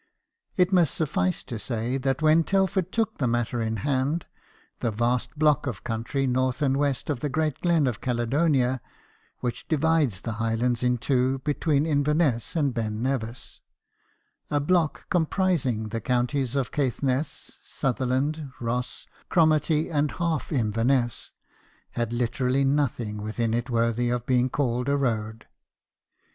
It must suffice to say that when Telford took the matter in hand, the vast block of country north and west of the Great Glen of Caledonia (which divides the Highlands in two between Inverness and Ben Nevis) a block comprising the counties of Caithness, Sutherland, Ross, Cromarty, and half Inverness had literally nothing within it 24 BIOGRAPHIES OF WORKING MEN. worthy of being called a road.